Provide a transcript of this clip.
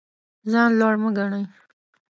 ځان لوړ مه ګڼئ.